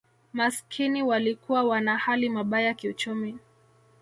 Maskini walikuwa wana hali mabaya kiuchumi